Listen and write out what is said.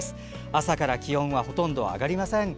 朝から気温はほとんど上がりません。